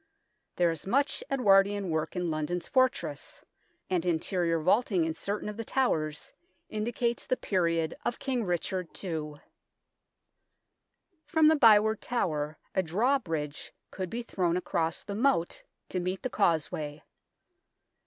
There is much Edwardian work in London's fortress, and interior vaulting in certain of the towers indicates the period of King Richard II. From the Byward Tower a drawbridge could be thrown across the moat to meet the causeway.